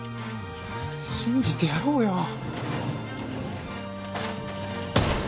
信じてやろうよ。